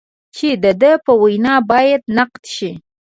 چې د ده په وینا باید نقد شي.